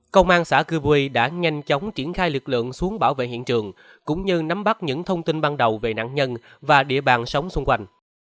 công an xã cư qui đã nhanh chóng triển khai lực lượng xuống bảo vệ hiện trường cũng như nắm bắt những thông tin ban đầu về nạn nhân và địa bàn sống xung quanh